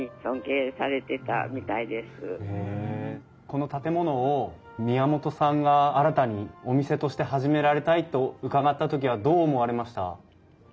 この建物を宮本さんが新たにお店として始められたいと伺った時はどう思われました？